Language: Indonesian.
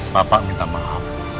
bapak minta maaf